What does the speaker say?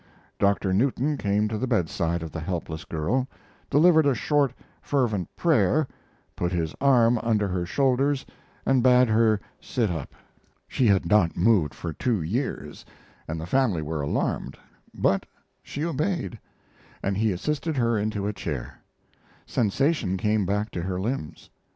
Doctor Newton came to the bedside of the helpless girl, delivered a short, fervent prayer, put his arm under her shoulders, and bade her sit up. She had not moved for two years, and the family were alarmed, but she obeyed, and he assisted her into a chair. Sensation came back to her limbs.